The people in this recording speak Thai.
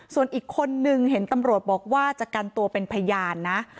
ส่วนอีกคนนึงเห็นตำรวจบอกว่าจะกันตัวเป็นพยานนะ